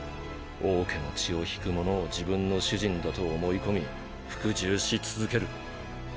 王家の血を引くものを自分の主人だと思い込み服従し続ける。